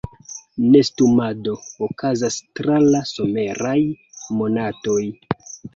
Nestumado okazas tra la someraj monatoj.